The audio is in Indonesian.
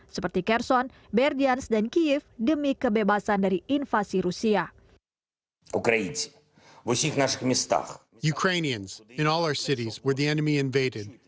seperti kerson berdians dan kiev demi kebebasan dari invasi rusia